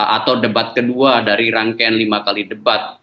atau debat kedua dari rangkaian lima kali debat